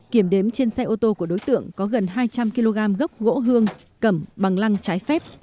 kiểm đếm trên xe ô tô của đối tượng có gần hai trăm linh kg gốc gỗ hương cầm bằng lăng trái phép